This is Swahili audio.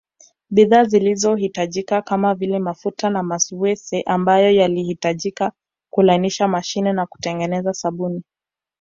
Bidhaa zilizo hitajika kamavile mafuta ya mawese ambayo yalihitajika kulainisha mashine na kutengeneza sabuni